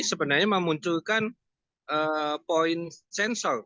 sebenarnya memunculkan poin sensor